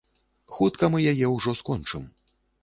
Хутка мы яе ўжо скончым.